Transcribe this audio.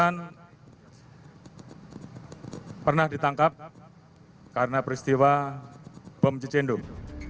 yang pernah ditangkap karena peristiwa bom jejendung